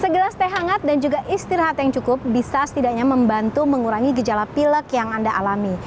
segelas teh hangat dan juga istirahat yang cukup bisa setidaknya membantu mengurangi gejala pilek yang anda alami